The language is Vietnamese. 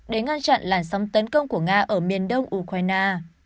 để ngăn chặn làn sóng tấn công của nga ở miền đông ukraine